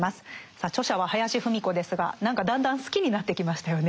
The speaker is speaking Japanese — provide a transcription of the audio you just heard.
さあ著者は林芙美子ですが何かだんだん好きになってきましたよね。